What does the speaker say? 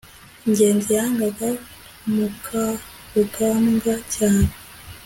ngenzi yangaga mukarugambwa cyane